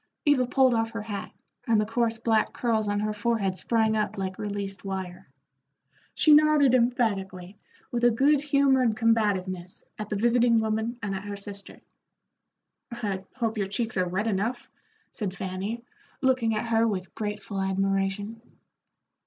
Eva pulled off her hat, and the coarse black curls on her forehead sprang up like released wire. She nodded emphatically with a good humored combativeness at the visiting woman and at her sister. "I hope your cheeks are red enough," said Fanny, looking at her with grateful admiration.